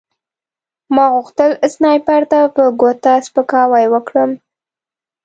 ما غوښتل سنایپر ته په ګوته سپکاوی وکړم